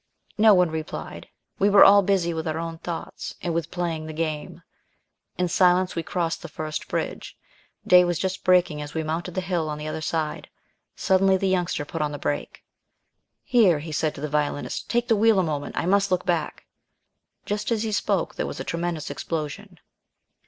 No one replied. We were all busy with our own thoughts, and with "playing the game." In silence we crossed the first bridge. Day was just breaking as we mounted the hill on the other side. Suddenly the Youngster put on the brake. "Here," he said to the Violinist, "take the wheel a moment. I must look back." Just as he spoke there was a tremendous explosion.